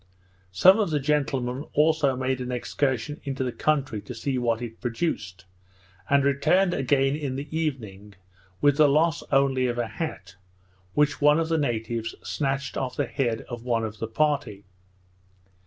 Some of the gentlemen also made an excursion into the country to see what it produced; and returned again in the evening, with the loss only of a hat, which one of the natives snatched off the head of one of the party.